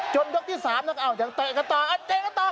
จนยกที่สามนะครับอ้าวอย่างเตะกันต่ออ้าวเตะกันต่อ